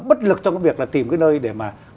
bất lực trong việc tìm nơi để mà